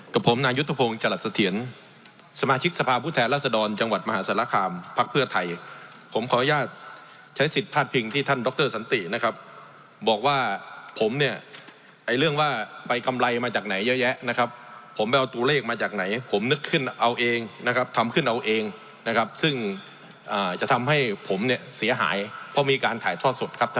ก็มีการถ่ายทอดสดครับท่านประธานครับ